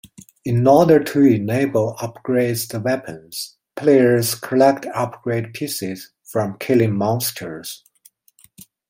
In order to enable upgrades the weapons, players collect upgrade pieces from killing monsters.